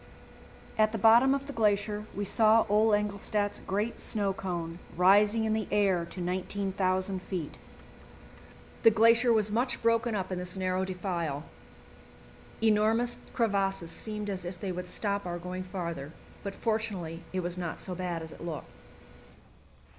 At the bottom of the glacier we saw Ole Engelstad's great snow cone rising in the air to 19,000 feet. The glacier was much broken up in this narrow defile; enormous crevasses seemed as if they would stop our going farther, but fortunately it was not so bad as it looked.